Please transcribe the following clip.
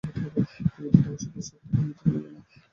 এ বর্ধিত অংশকে সত্য বা মিথ্যা বলা যায় না।